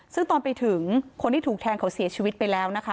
ซึ่งตอนไปถึงคนที่ถูกแทงเขาเสียชีวิตไปแล้วนะคะ